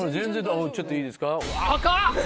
ちょっといいですか？